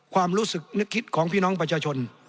ความรู้สึกนึกคิดของพี่น้องประชาชน